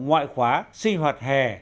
ngoại khóa sinh hoạt hè